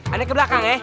aduh ke belakang ya